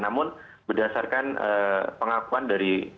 namun berdasarkan pengakuan dari